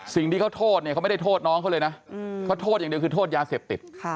สิ่งที่เขาโทษเนี่ยเขาไม่ได้โทษน้องเขาเลยนะเขาโทษอย่างเดียวคือโทษยาเสพติด